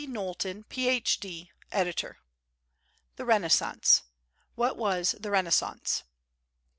KNOWLTON, PH.D., Editor. THE RENAISSANCE. What Was the Renaissance?